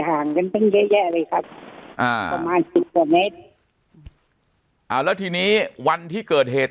ห่างกันตึงแย๋เลยครับอ่าอ่าแล้วทีนี้วันที่เกิดเหตุ